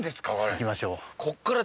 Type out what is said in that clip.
行きましょう